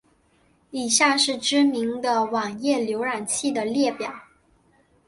以下是知名的网页浏览器的列表。